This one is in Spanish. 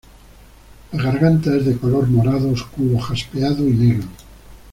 La garganta es de color morado oscuro jaspeado y negro.